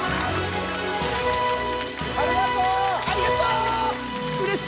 ありがとう！